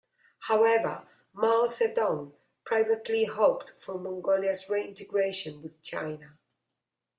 However, Mao Zedong privately hoped for Mongolia's reintegration with China.